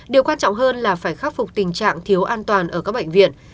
điều quan trọng hơn là phải khắc phục tình trạng thiếu an toàn ở các bệnh viện